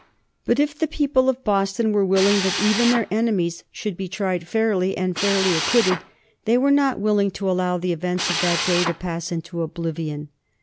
But if the people of Boston were willing that even their enemies should be tried fairly, and fairly acquitted, they were not willing to allow the events of that day to pass into oblivion.